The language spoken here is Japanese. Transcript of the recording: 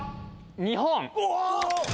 日本。